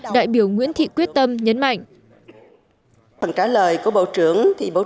đại biểu nguyễn thị quyết tâm nhấn mạnh